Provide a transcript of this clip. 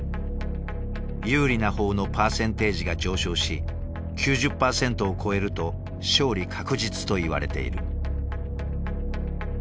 有利な方のパーセンテージが上昇し９０％を超えると勝利確実といわれている。